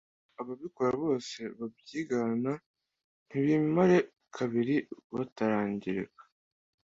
kuko ababikora bose babyigana ntibimare kabiri bitarangirika